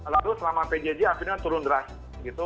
lalu selama pjj akhirnya turun deras gitu